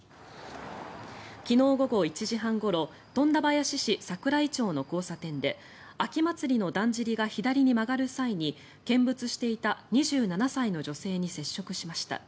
昨日午後１時半ごろ富田林市桜井町の交差点で秋祭りのだんじりが左に曲がる際に見物していた２７歳の女性に接触しました。